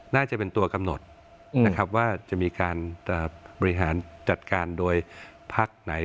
น่าจะเป็นตัวกำหนดนะครับว่าจะมีการบริหารจัดการโดยพักไหน